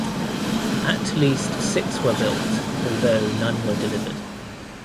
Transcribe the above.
At least six were built, although none were delivered.